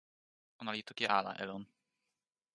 ona li toki ala e lon.